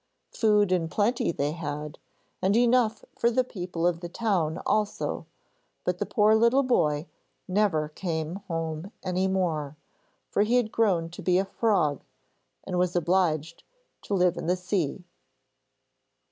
Food in plenty they had, and enough for the people of the town also, but the poor little boy never came home any more, for he had grown to be a frog, and was obliged to live in the sea.